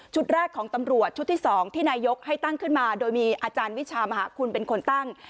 แรกของตำรวจชุดที่๒ที่นายกให้ตั้งขึ้นมาโดยมีอาจารย์วิชามหาคุณเป็นคนตั้ง